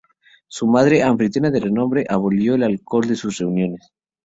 Su madre, anfitriona de renombre, abolió el alcohol de sus reuniones.